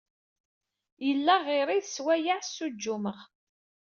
Yella ɣiri d swayeɛ ssuǧǧumeɣ.